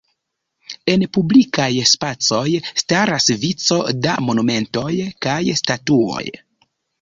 En publikaj spacoj staras vico da monumentoj kaj statuoj.